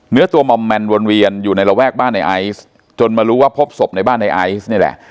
เนื้อตัวมอมแมนวนเวียนอยู่ในระแวกบ้านในไอซ์จนมารู้ว่าพบศพในบ้านในไอซ์นี่แหละ